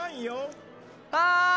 はい！